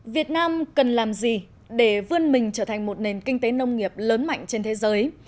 việt nam cần làm gì để vươn mình trở thành một nền kinh tế nông nghiệp lớn mạnh trên thế giới